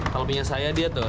kalau punya saya dia tuh